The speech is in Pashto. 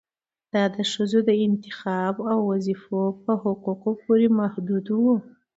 دا د ښځو د انتخاب او وظيفو په حقونو پورې محدود و